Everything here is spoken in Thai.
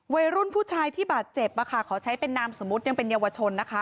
วัยรุ่นผู้ชายที่บาดเจ็บขอใช้เป็นนามสมมุติยังเป็นเยาวชนนะคะ